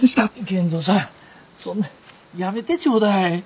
賢三さんそんなやめてちょうだい。